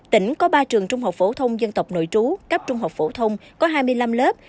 tỉnh có ba trường trung học phổ thông dân tộc nội trú cấp trung học phổ thông có hai mươi năm lớp